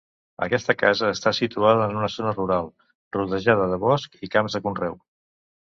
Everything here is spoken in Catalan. Aquesta casa està situada en una zona rural, rodejada de bosc i camps de conreu.